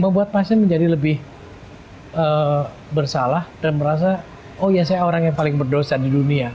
membuat pasien menjadi lebih bersalah dan merasa oh ya saya orang yang paling berdosa di dunia